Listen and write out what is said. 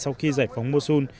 sau khi giải phóng mosul